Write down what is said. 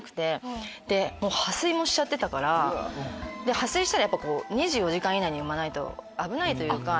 破水したら２４時間以内に産まないと危ないというか。